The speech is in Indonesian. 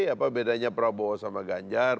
apa bedanya prabowo sama ganjar